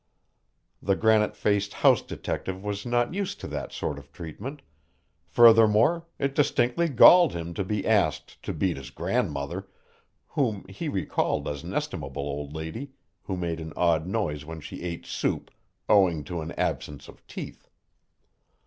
The granite faced house detective was not used to that sort of treatment; furthermore it distinctly galled him to be asked to beat his grandmother, whom he recalled as an estimable old lady who made an odd noise when she ate soup, owing to an absence of teeth.